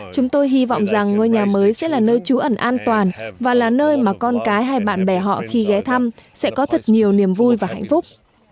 chúng tôi hy vọng rằng ngôi nhà mới sẽ là nơi trú ẩn an toàn và là nơi mà con cái hay bạn bè họ khi ghé thăm sẽ có thật nhiều niềm vui và hạnh phúc